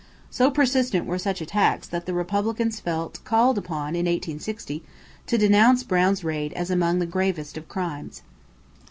So persistent were such attacks that the Republicans felt called upon in 1860 to denounce Brown's raid "as among the gravest of crimes."